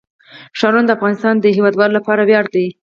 ښارونه د افغانستان د هیوادوالو لپاره ویاړ دی.